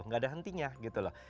nggak ada hentinya gitu loh